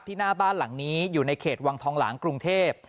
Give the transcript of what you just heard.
หน้าบ้านหลังนี้อยู่ในเขตวังทองหลางกรุงเทพ